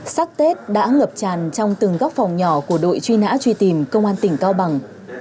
sắc tết đã ngập tràn trong từng góc phòng nhỏ của đội truy nã truy tìm công an tỉnh cao bằng